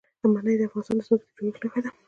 منی د افغانستان د ځمکې د جوړښت نښه ده.